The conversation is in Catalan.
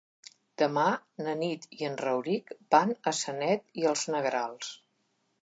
Demà na Nit i en Rauric van a Sanet i els Negrals.